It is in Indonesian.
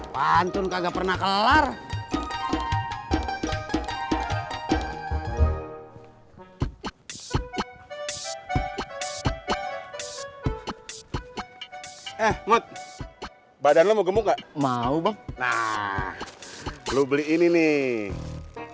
pantun kagak pernah kelar eh buat badan lo mau ke muka mau banget nah lu beli ini nih